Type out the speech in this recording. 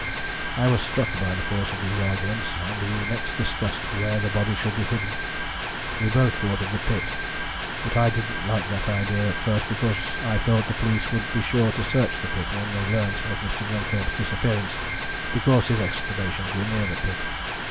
"I was struck by the force of these arguments, and we next discussed where the body should be hidden. We both thought of the pit, but I didn't like that idea at first because I thought the police would be sure to search the pit when they learnt of Mr. Glenthorpe's disappearance, because his excavations were near the pit.